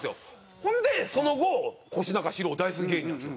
ほんでその後越中詩郎大好き芸人やるんですよ。